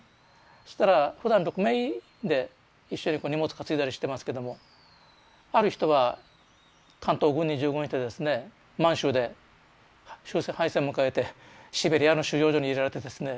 そしたらふだん６名で一緒に荷物かついだりしてますけどもある人は関東軍に従軍してですね満州で終戦敗戦を迎えてシベリアの収容所に入れられてですね